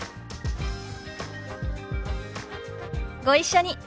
ご一緒に。